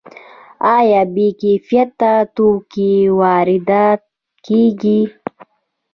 آیا بې کیفیته توکي وارد کیږي؟